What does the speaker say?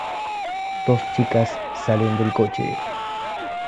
Dos chicas salen del coche.